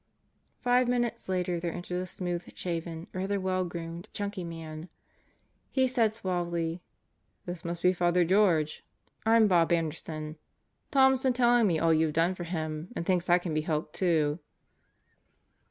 Five minutes later there entered a smooth shaven, rather well groomed, chunky man. He said suavely: "This must be Father George. I'm Bob Anderson. Tom's been telling me all you've done for him and thinks I can be helped, too."